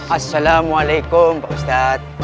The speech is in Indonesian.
assalamualaikum pak ustadz